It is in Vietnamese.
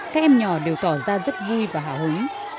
các em nhỏ đều tỏ ra rất vui và hào hứng